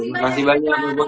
terima kasih banyak